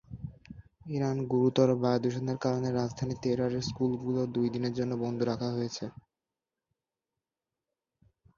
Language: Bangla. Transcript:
ইরান গুরুতর বায়ুদূষণের কারণে রাজধানী তেহরানের স্কুলগুলো দুই দিনের জন্য বন্ধ রাখা হচ্ছে।